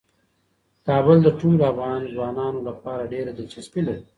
کابل د ټولو افغان ځوانانو لپاره ډیره دلچسپي لري.